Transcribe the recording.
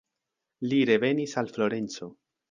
Li revenis al Florenco.